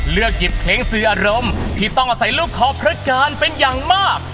เลือกหยิบเพลงสื่ออารมณ์ที่ต้องอาศัยลูกคอพระการเป็นอย่างมาก